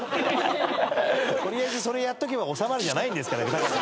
取りあえずそれやっとけば収まるじゃないんですから。